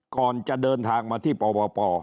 ก่อนจะเดินทางมาที่ปป